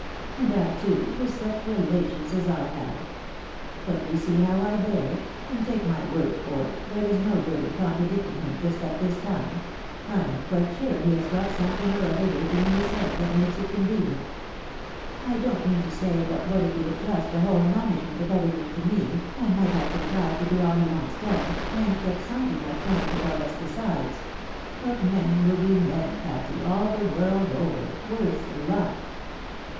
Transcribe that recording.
And I, too, with such relations as I have ! But you see how I bear it ; and take my word for it, there is no good in contradicting him just at this time ; I am quite sure he has got something or other working in his head that makes it convenient. I don't mean to say but what if he would trust the whole management of everything to me, I might have contrived to do all he wants done, and kept something like comfort about us besides ; but men will be men, Patty, all the world over, worse luck